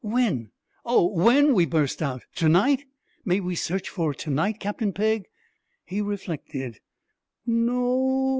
'When, oh, when?' we burst out; 'to night? May we search for it to night, Captain Pegg?' He reflected. 'No o.